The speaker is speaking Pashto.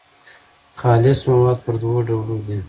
خالص مواد پر دوو ډولو دي.